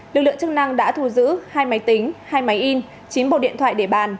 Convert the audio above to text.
lực lượng chức năng đã thu giữ hai máy tính hai máy in chín bộ điện thoại để bàn